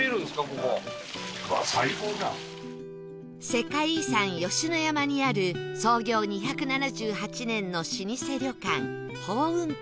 世界遺産吉野山にある創業２７８年の老舗旅館芳雲館